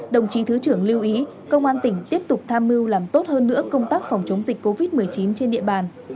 đồng chí thứ trưởng lưu ý công an tỉnh tiếp tục tham mưu làm tốt hơn nữa công tác phòng chống dịch covid một mươi chín trên địa bàn